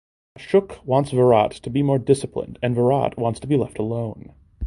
Ashok wants Virat to be more disciplined and Virat wants to be left alone.